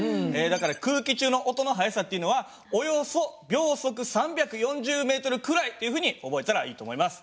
だから空気中の音の速さっていうのはおよそ秒速３４０ｍくらいっていうふうに覚えたらいいと思います。